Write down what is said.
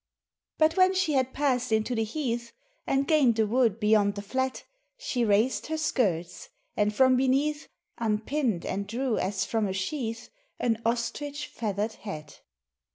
But when she had passed into the heath, And gained the wood beyond the flat, She raised her skirts, and from beneath Unpinned and drew as from a sheath An ostrich feathered hat.